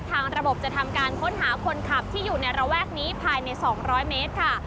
ทางระบบจะทำการค้นหาคนขับที่อยู่ในระแวกนี้ภายใน๒๐๐เมตรค่ะ